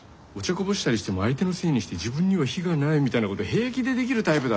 こぼしたりしても相手のせいにして自分には非がないみたいなこと平気でできるタイプだぞ。